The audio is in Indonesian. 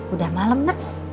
udah malam nak